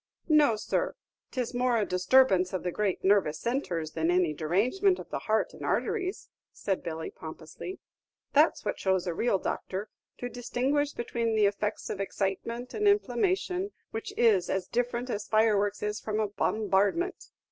"No, sir; 'tis more a disturbance of the great nervous centres than any derangement of the heart and arteries," said Billy, pompously; "that's what shows a real doctor, to distinguish between the effects of excitement and inflammation, which is as different as fireworks is from a bombardment."